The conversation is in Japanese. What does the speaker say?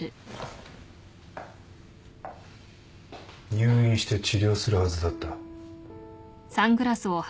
入院して治療するはずだった。